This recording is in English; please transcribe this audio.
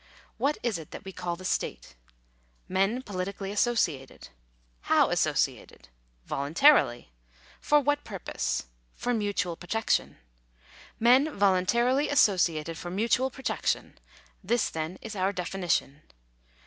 What is it that we call the state ? Men politically associated. How associated? Voluntarily. For what purpose? For mutual protection. Men voluntarily associated for mutual protection: this then is our definition.